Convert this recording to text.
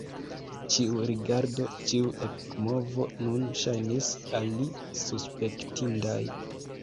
Ĉiu rigardo, ĉiu ekmovo nun ŝajnis al li suspektindaj.